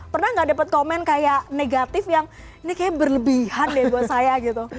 pernah gak dapet komen kayak negatif yang ini kayaknya berlebihan deh buat saya gitu